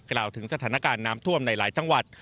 กล่าวถึงสถานการณ์น้ำท่วมในหลายจังหวัด